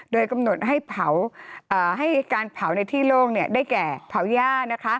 โดยกำหนดให้การเผาในที่โล่งได้แก่เผาย่า